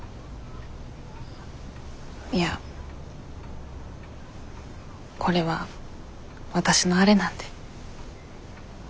いやこれはわたしのあれなんで。